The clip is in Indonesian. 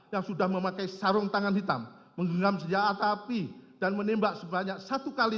yang sudah memakai sarung tangan hitam menggenggam senjata api dan menembak sebanyak satu kali